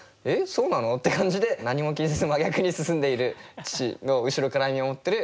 そうなの？」って感じで何も気にせず真逆に進んでいる父の後ろから見守ってる